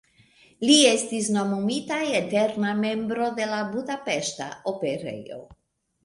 Li estis nomumita eterna membro de la Budapeŝta Operejo.